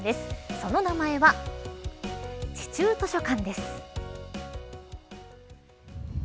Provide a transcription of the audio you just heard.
その名前は地中図書館です。